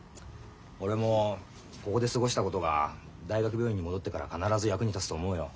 俺もここで過ごしたことが大学病院に戻ってから必ず役に立つと思うよ。